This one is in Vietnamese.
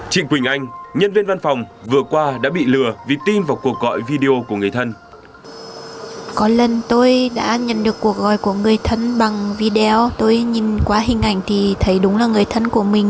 trịnh quỳnh anh nhân viên văn phòng vừa qua đã bị lừa vì tin vào cuộc gọi video của người thân